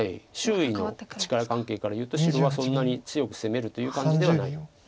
周囲の力関係から言うと白はそんなに強く攻めるという感じではない。